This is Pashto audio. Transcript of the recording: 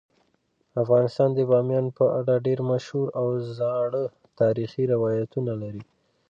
افغانستان د بامیان په اړه ډیر مشهور او زاړه تاریخی روایتونه لري.